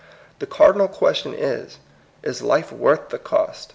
The cardinal question is, Is life worth the cost